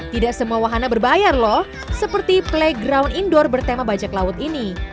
tidak semua wahana berbayar loh seperti playground indoor bertema bajak laut ini